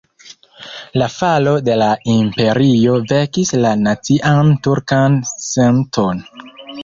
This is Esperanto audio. La falo de la imperio vekis la nacian turkan senton.